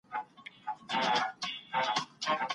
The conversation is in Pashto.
موږ له کړکۍ څخه ډبره چاڼ نه کوو.